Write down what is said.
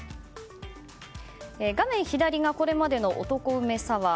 画面左が、これまでの男梅サワー。